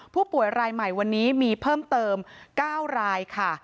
ผู้ป่วยรายใหม่วันนี้มีเพิ่มเติม๙รายค่ะ